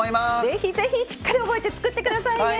是非是非しっかり覚えて作ってくださいね！